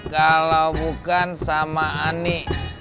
kalau bukan sama ani